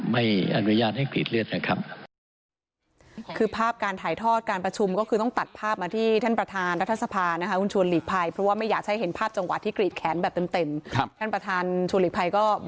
ไม่อนุญาตให้กรีดเลือดนะครับคือภาพการถ่ายทอดการประชุมก็คือต้องตัดภาพมาที่ท่านประธานรัฐทรรษภาคุณชวนหลีกภัยเพราะว่าไม่อยากใช้เห็นภาพจังหวะที่กรีดแขนแบบเต็มเต็มครับ